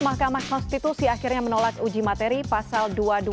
mahkamah konstitusi akhirnya menolak uji materi pasal dua puluh dua